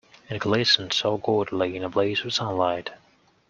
It glistened so gaudily in the blaze of sunlight.